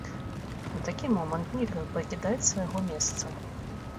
У такі момант нельга пакідаць свайго месца.